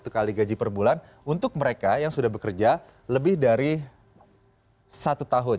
satu kali gaji per bulan untuk mereka yang sudah bekerja lebih dari satu tahun